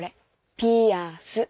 ピアス。